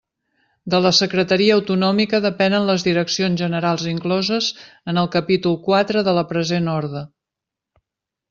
De la Secretaria Autonòmica depenen les direccions generals incloses en el capítol quatre de la present orde.